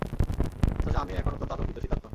অথচ আমি তখন অত্যন্ত আতঙ্কিত, শীতার্ত।